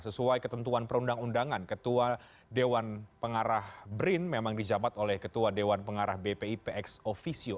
sesuai ketentuan perundang undangan ketua dewan pengarah brin memang dijabat oleh ketua dewan pengarah bpi px officio